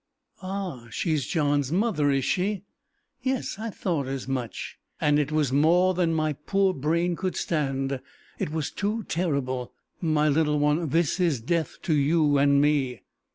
"Ah! she's John's mother, is she? Yes, I thought as much and it was more than my poor brain could stand! It was too terrible! My little one, this is death to you and me!"